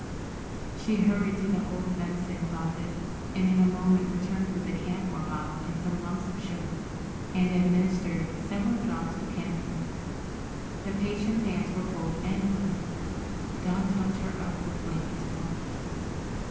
Would she die, too? She hurried to the old medicine closet and in a moment returned with the camphor bottle and some lumps of sugar, and administered several drops of camphor. The patient's hands were cold and blue. Dawn tucked her up with blankets warmly.